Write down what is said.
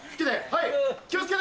はい。